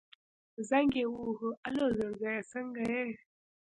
زنګ يې ووهه الو زړګيه څنګه يې.